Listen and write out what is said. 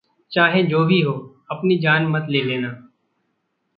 चाहे जो भी हो अपनी जान मत ले लेना!